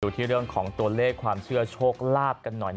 ที่เรื่องของตัวเลขความเชื่อโชคลาภกันหน่อย